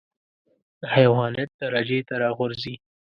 د حيوانيت درجې ته راغورځي.